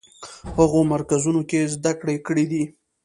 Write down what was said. هغو مرکزونو کې زده کړې کړې دي.